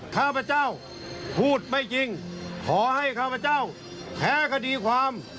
ข้าพเจ้าพูดไม่จริงขอให้ข้าพเจ้าแพ้คดีความ